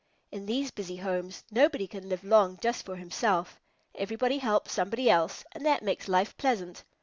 In these busy homes, nobody can live long just for himself. Everybody helps somebody else, and that makes life pleasant.